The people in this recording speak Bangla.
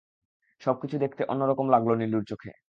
সব কিছু দেখতে অন্য রকম লাগল নীলুর চোখে।